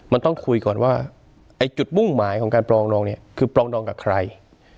มันต้องคุยก่อนว่าไอ้จุดมุ่งหมายของการปรองดองเนี่ยคือปรองดองกับใคร